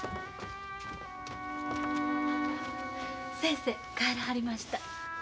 先生帰らはりました。